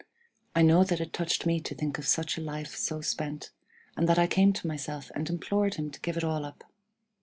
I know that it touched me to think of such a life so spent, and that I came to myself and implored him to give it all up.